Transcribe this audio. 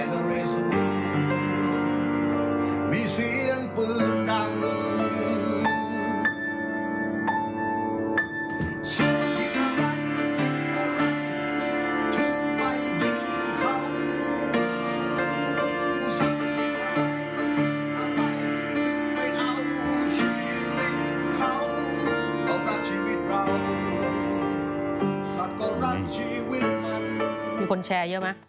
มีคนแชร์เยอะมั้ย